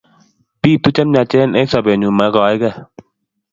Pitu chemyachen eng' sobenyu megoike.